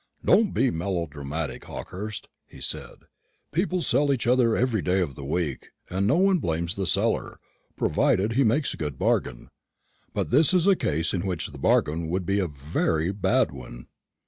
"Don't be melodramatic, Hawkehurst," he said; "people sell each other every day of the week, and no one blames the seller, provided he makes a good bargain. But this is a case in which the bargain would be a very bad one."